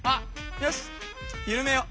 よしゆるめよう。